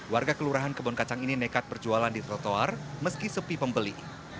warga kelurahan kebon kacang ini nekat berjualan di trotoar meski sepi pembeli